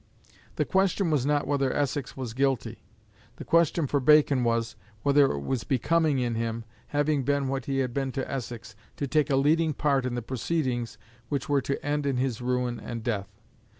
The question was not whether Essex was guilty. The question for Bacon was, whether it was becoming in him, having been what he had been to Essex, to take a leading part in proceedings which were to end in his ruin and death.